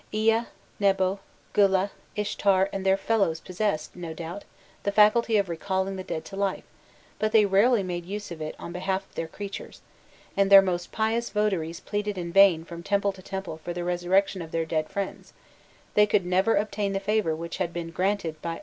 * Ea, Nebo, Gula, Ishtar, and their fellows possessed, no doubt, the faculty of recalling the dead to life, but they rarely made use of it on behalf of their creatures, and their most pious votaries pleaded in vain from temple to temple for the resurrection of their dead friends; they could never obtain the favour which had been granted by Allat to Dumuzi.